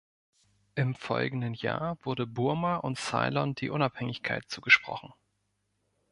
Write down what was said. Im folgenden Jahr wurde Burma und Ceylon die Unabhängigkeit zugesprochen.